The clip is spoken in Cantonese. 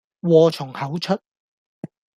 禍從口出